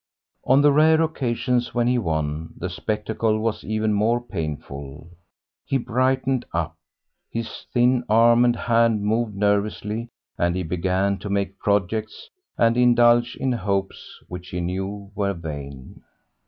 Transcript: On the rare occasions when he won, the spectacle was even more painful. He brightened up, his thin arm and hand moved nervously, and he began to make projects and indulge in hopes which she knew were vain.